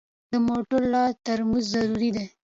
د موټر لاس ترمز ضروري دی.